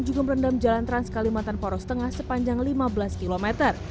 juga merendam jalan trans kalimantan poros tengah sepanjang lima belas km